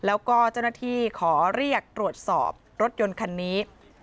แล้วก็เจ้าหน้าที่ขอเรียกตรวจสอบรถยนต์คันนี้